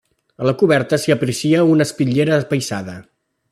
A la coberta s'aprecia una espitllera apaïsada.